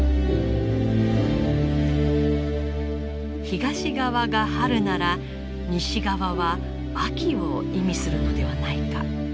東側が春なら西側は秋を意味するのではないか。